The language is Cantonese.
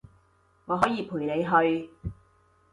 我可以陪你去